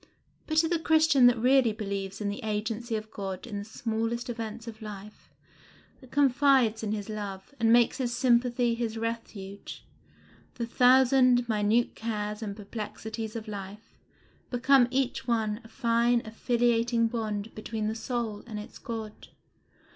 But to the Christian that really believes in the agency of God in the smallest events of life, that confides in his love, and makes his sympathy his refuge, the thousand minute cares and perplexities of life become each one a fine affiliating bond between the soul and its God.